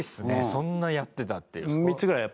そんなやってたっていう。